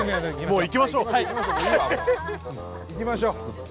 行きましょう。